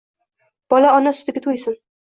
Bola ona sutiga to‘ysin.